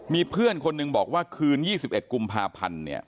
มีเพื่อนคนหนึ่งบอกว่าคืน๒๑กุมภาพันธ์เนี่ย